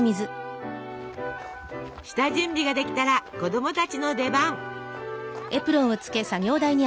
下準備が出来たら子供たちの出番！